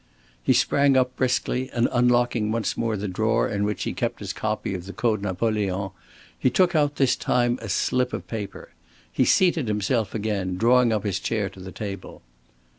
He sprang up briskly, and unlocking once more the drawer in which he kept his copy of the Code Napoleon, he took out this time a slip of paper. He seated himself again, drawing up his chair to the table.